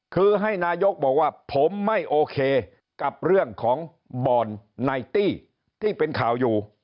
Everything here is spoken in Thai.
คือให้นายกบอกว่าผมไม่โอเคกับเรื่องของบ่อนไนตี้ที่เป็นข่าวอยู่